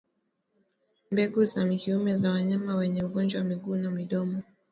Mbegu za kiume za wanyama wenye ugonjwa wa miguu na midomo